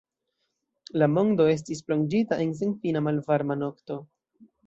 La mondo estis plonĝita en senfina malvarma nokto.